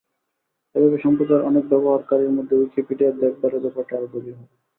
এভাবে সম্প্রদায়ের অনেক ব্যবহারকারীর মধ্যে উইকিপিডিয়ার দেখভালের ব্যাপারটি আরও গভীর হবে।